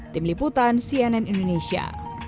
tim liputan cnn indonesia